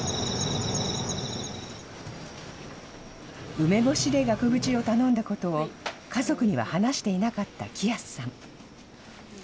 梅干しで額縁を頼んだことを、家族には話していなかった喜安さん。